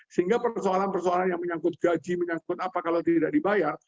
sehingga persoalan persoalan yang menyangkut gaji menyangkut apa kalau tidak dibayar